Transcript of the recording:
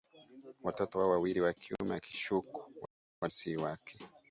watoto wao wawili wa kiume akishuku walikuwa si wake